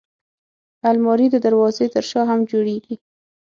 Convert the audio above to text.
الماري د دروازې تر شا هم جوړېږي